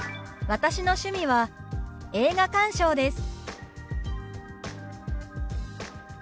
「私の趣味は映画鑑賞です」。